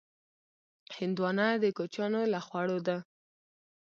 هندوانه د کوچیانو له خوړو ده.